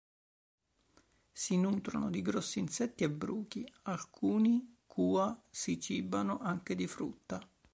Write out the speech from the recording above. Si nutrono di grossi insetti e bruchi; alcuni cua si cibano anche di frutta.